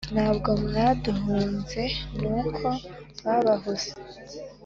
Ntabwo mwaduhunze N’uko babahuse!